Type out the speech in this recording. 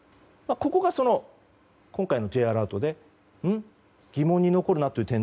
ここが今回のＪアラートで疑問に残るなという点